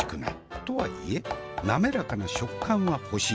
とはいえ滑らかな食感は欲しい。